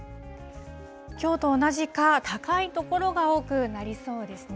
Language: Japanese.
きょうと同じか高い所が多くなりそうですね。